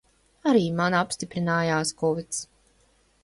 Arī man apstiprinājās kovids.